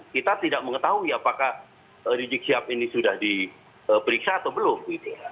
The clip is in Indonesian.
kita tidak mengetahui apakah rizik syihab ini sudah diperiksa atau belum